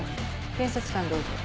検察官どうぞ。